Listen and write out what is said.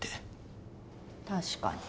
確かに。